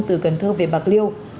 từ cần thơ về bạc liêu